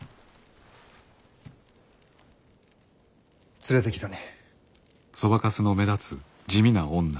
連れてきたに。